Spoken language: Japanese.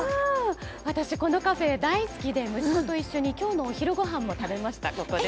私、このカフェ大好きで息子と一緒に今日のお昼ご飯もここで食べました。